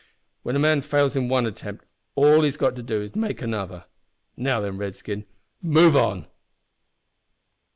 When a man fails in one attempt, all he's got to do is to make another. Now then, redskin, move on!"